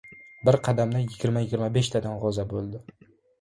Bir qadamda yigirma-yigirma beshtadan g‘o‘za bo‘ldi.